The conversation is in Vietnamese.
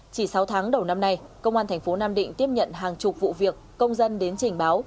chỉ sáu tháng đầu năm nay công an thành phố nam định tiếp nhận hàng chục vụ việc công dân đến trình báo